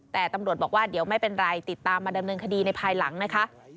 แต่ตำรวจบอกว่าเดี๋ยวไม่เป็นไรติดตามมาดำเนินคดีในภายหลังนะคะ